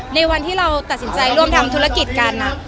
ในวันที่เราตัดสินใจร่วมทำธุรกิจกัน